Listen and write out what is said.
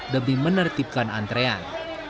demi menertibkan antrean